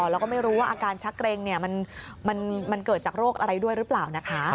แล้วก็ไม่รู้ว่าอาการชักเกร็งมันเกิดจากโรคอะไรด้วยหรือเปล่านะคะ